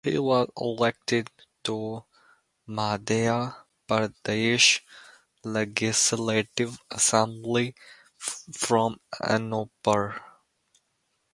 He was elected to the Madhya Pradesh Legislative Assembly from Anuppur.